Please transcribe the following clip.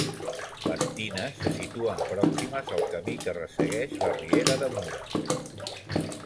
Les tines se situen pròximes al camí que ressegueix la riera de Mura.